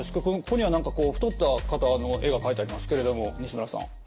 ここには何かこう太った方の絵が描いてありますけれども西村さん。